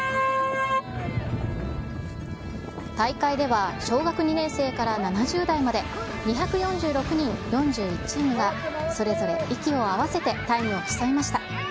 大会では、小学２年生から７０代まで、２４６人４１チームが、それぞれ息を合わせてタイムを競いました。